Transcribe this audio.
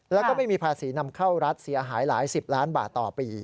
แล้วก็ไม่มีภาษีนำเข้ารัฐเสียหายหลายสิบล้านบาทต่อปี